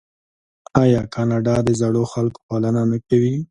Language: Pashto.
آیا کاناډا د زړو خلکو پالنه نه کوي؟